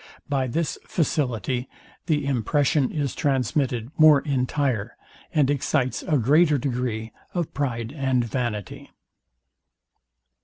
By this facility the impression is transmitted more entire, and excites a greater degree of pride and vanity.